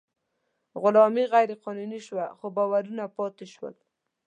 غلامي غیر قانوني شوه، خو باورونه پاتې شول.